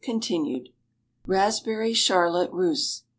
Continued. _Raspberry Charlotte Russe.